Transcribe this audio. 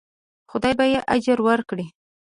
خدای به یې اجر ورکړي.